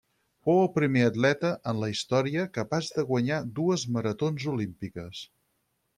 Fou el primer atleta en la història capaç de guanyar dues maratons olímpiques.